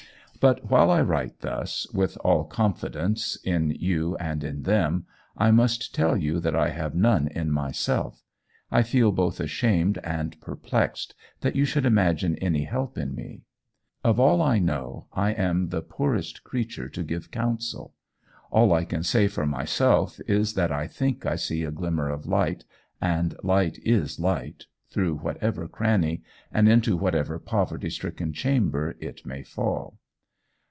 But while I write thus, with all confidence in you and in them, I must tell you that I have none in myself. I feel both ashamed and perplexed that you should imagine any help in me. Of all I know, I am the poorest creature to give counsel. All I can say for myself is that I think I see a glimmer of light, and light is light, through whatever cranny, and into whatever poverty stricken chamber, it may fall.